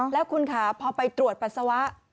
แล้วคุณค่ะพอไปตรวจปัสสาวะ